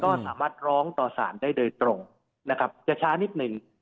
ก็สามารถร้องต่อสารได้โดยตรงนะครับจะช้านิดนึง